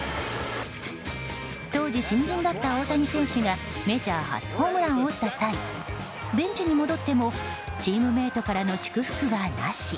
当時、新人だった大谷選手がメジャー初ホームランを打った際ベンチに戻ってもチームメートからの祝福はなし。